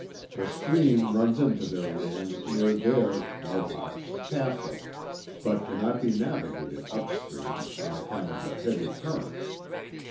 The stream runs into their land near their [Mohawks*] Castle, but cannot be navigated up stream, on account of the heavy current.